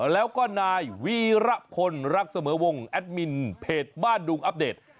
แล้วก็นายวีระพลรักเสมอวงแอดมินเพจบ้านดุงอัปเดต